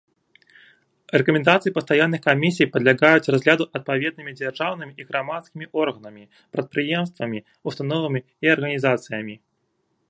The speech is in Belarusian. Рэкамендацыі пастаянных камісій падлягаюць разгляду адпаведнымі дзяржаўнымі і грамадскімі органамі, прадпрыемствамі, установамі і арганізацыямі.